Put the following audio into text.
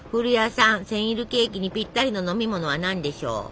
センイルケーキにぴったりの飲み物は何でしょう？